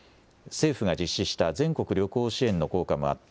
政府が実施した全国旅行支援の効果もあって、